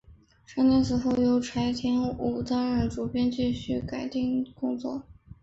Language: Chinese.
山田死后由柴田武担任主编继续改订工作。